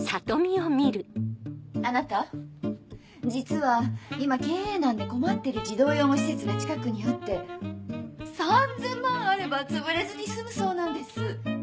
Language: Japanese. あなた実は今経営難で困ってる児童養護施設が近くにあって３０００万あればつぶれずに済むそうなんです。